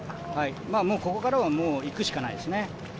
ここからは、もういくしかないですね。